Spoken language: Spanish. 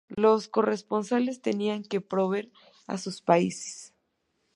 Los corresponsales tenían que volver a sus países.